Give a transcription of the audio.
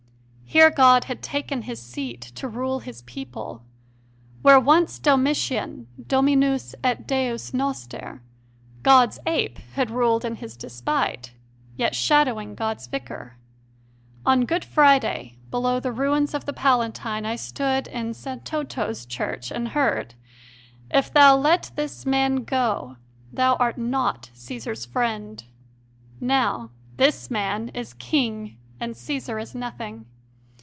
Here God had taken His seat to rule His people, where once Domitian Dominus et Deus nosier God s Ape, had ruled in His despite, yet shadowing God s Vicar. On Good Friday, below the ruins of the Palatine, I stood in "S. TotoV church and heard, "If thou let this Man go, thou art not Caesar s friend." Now "This Man" is King and Caesar is nothing.